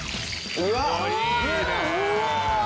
うわ！